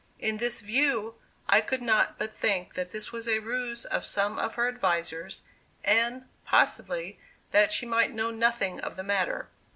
In this view, I could not but think that this was a ruse of some of her advisers, and, possibly, that she might know nothing of the matter.